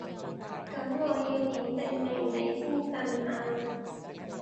噉我要點證明你先信啊？